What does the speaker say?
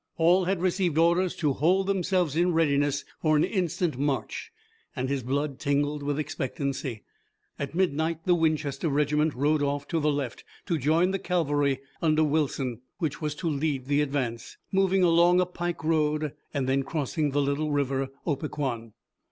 All had received orders to hold themselves in readiness for an instant march, and his blood tingled with expectancy. At midnight the Winchester regiment rode off to the left to join the cavalry under Wilson which was to lead the advance, moving along a pike road and then crossing the little river Opequan.